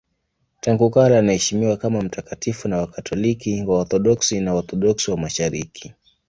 Tangu kale anaheshimiwa kama mtakatifu na Wakatoliki, Waorthodoksi na Waorthodoksi wa Mashariki.